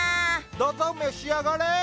どうぞ召し上がれ。